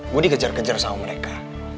mau dikejar kejar sama mereka